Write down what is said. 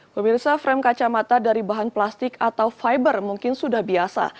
pemirsa frame kacamata dari bahan plastik atau fiber mungkin sudah biasa